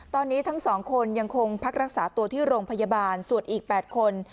ตอนนี้ทั้ง๒คนยังคงพักรักษาตัวที่โรงพยาบาลส่วนอีก๘คน